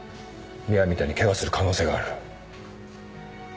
三和みたいに怪我する可能性がある。